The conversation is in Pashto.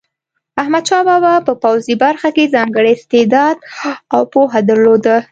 احمدشاه بابا په پوځي برخه کې ځانګړی استعداد او پوهه درلوده.